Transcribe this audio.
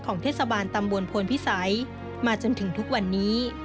เทศบาลตำบลพลพิสัยมาจนถึงทุกวันนี้